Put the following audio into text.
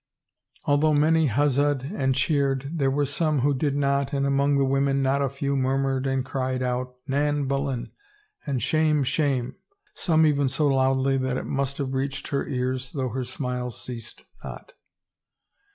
" Although many 257 THE FAVOR OF KINGS huzzahed and cheered there were some who did not and among the women not a few murmured and cried out, * Nan BuUen/ and * Shame, shame '— some even so loudly that it must have reached her ears though her smiles ceased not."